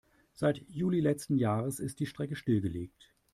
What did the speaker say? Seit Juli letzten Jahres ist die Strecke stillgelegt.